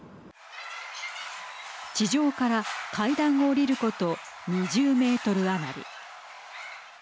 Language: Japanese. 地上から階段を下りること２０メートル余り。